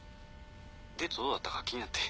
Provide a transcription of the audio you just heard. デートどうだったか気になって。